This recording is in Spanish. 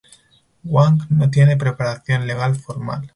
Wang no tiene preparación legal formal.